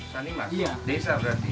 sanimas desa berarti